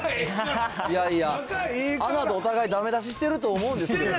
いやいや。お互いだめ出ししてると思うんですけどね。